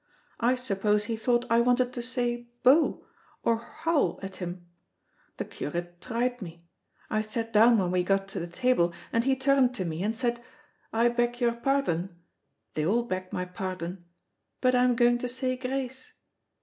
I suppose he thought I wanted to say 'Bo,' or howl at him. The curate tried me. I sat down when we got to the table, and he turned to me and said, 'I beg your pardon' they all beg my pardon 'but I'm going to say grace.'